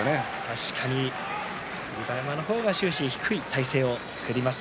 確かに霧馬山の方が終始低い体勢を作りました。